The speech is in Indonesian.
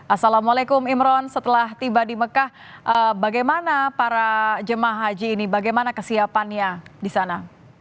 assalamualaikum imron setelah tiba di mekah bagaimana para jemaah haji ini bagaimana kesiapannya di sana